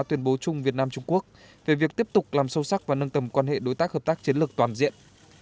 tuyên bố chung việt nam trung quốc về việc tiếp tục làm sâu sắc và nâng tầm quan hệ đối tác hợp tác chiến lược toàn diện